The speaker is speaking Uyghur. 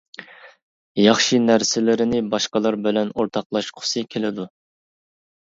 ياخشى نەرسىلىرىنى باشقىلار بىلەن ئورتاقلاشقۇسى كېلىدۇ.